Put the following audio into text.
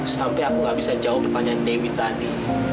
sampai aku gak bisa jawab pertanyaan dewi tadi